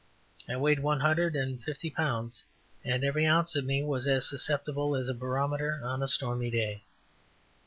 I weighed one hundred and fifty pounds and every ounce of me was as susceptible as a barometer on a stormy day.